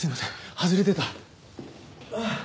外れてた。